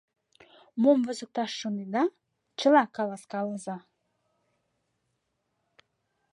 Мом возыкташ шонеда, чыла каласкалыза.